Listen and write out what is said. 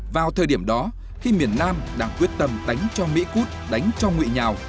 vào thời điểm đó khi miền nam đang quyết tâm đánh cho mỹ cút đánh cho nguyễn nhào